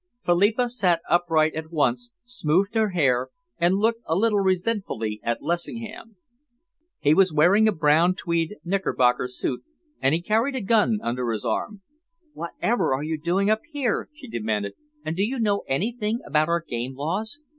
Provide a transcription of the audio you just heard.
Philippa sat upright at once, smoothed her hair and looked a little resentfully at Lessingham. He was wearing a brown tweed knickerbocker suit, and he carried a gun under his arm. "Whatever are you doing up here," she demanded, "and do you know anything about our game laws?